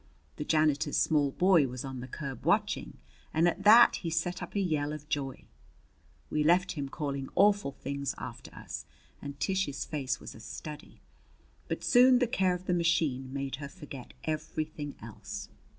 The janitor's small boy was on the curb watching, and at that he set up a yell of joy. We left him calling awful things after us and Tish's face was a study; but soon the care of the machine made her forget everything else.